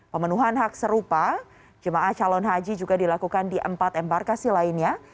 pemenuhan hak serupa jemaah calon haji juga dilakukan di empat embarkasi lainnya